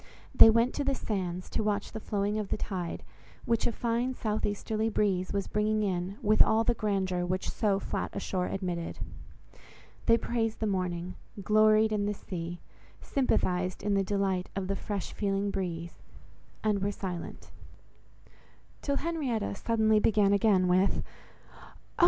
They went to the sands, to watch the flowing of the tide, which a fine south easterly breeze was bringing in with all the grandeur which so flat a shore admitted. They praised the morning; gloried in the sea; sympathized in the delight of the fresh feeling breeze—and were silent; till Henrietta suddenly began again with— "Oh!